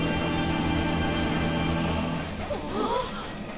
あっ！！